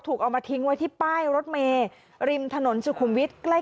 ถูกเอามาทิ้งไว้ที่ป้ายรถเมย์ริมถนนสุขุมวิทย์